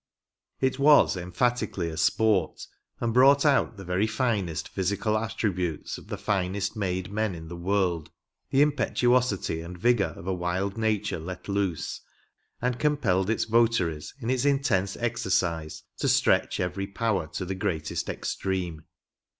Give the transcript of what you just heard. It was emphatically a sport, and brought out the very finest physical attributes of the finest made men in the world, ‚ÄĒ the impetuosity and vigor of a wild nature let loose ; and compelled its votaries, in its intense exercise, to stretch every power to the greatest extreme.